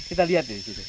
kita lihat disitu